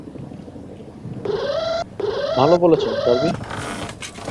ভালো বলেছো, ডার্বি।